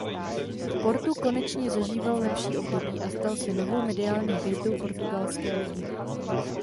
V Portu konečně zažíval lepší období a stal se novou mediální hvězdou portugalské ligy.